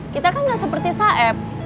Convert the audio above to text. kita kan nggak seperti saeb